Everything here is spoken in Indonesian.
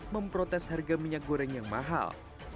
memprotes harga minyak goreng yang mahal